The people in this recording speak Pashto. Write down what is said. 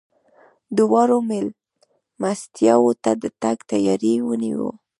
دواړو مېلمستیاوو ته د تګ تیاری ونیو.